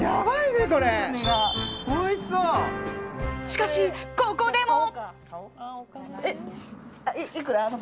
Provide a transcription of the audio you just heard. しかし、ここでも。